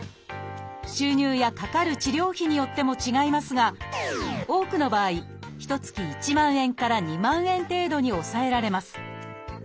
収入やかかる治療費によっても違いますが多くの場合ひと月１万円から２万円程度に抑えられます。